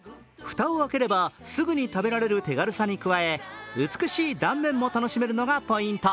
蓋を開ければ、すぐに食べられる手軽さに加え美しい断面も楽しめるのがポイント。